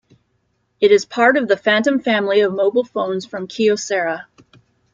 It is part of the Phantom family of mobile phones from Kyocera.